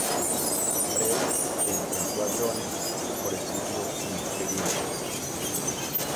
Preux se enfrentó a Jones por el título interino.